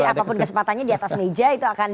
jadi apapun kesempatannya di atas meja itu akan